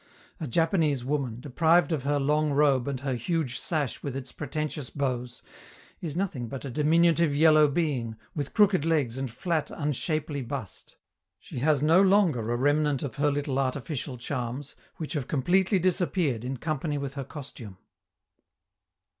A Japanese woman, deprived of her long robe and her huge sash with its pretentious bows, is nothing but a diminutive yellow being, with crooked legs and flat, unshapely bust; she has no longer a remnant of her little artificial charms, which have completely disappeared in company with her costume.